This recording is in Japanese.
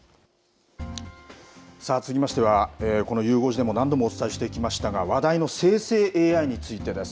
さあ、続きましては、このゆう５時でも何度もお伝えしてきましたが、話題の生成ＡＩについてです。